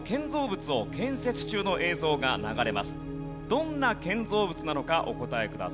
どんな建造物なのかお答えください。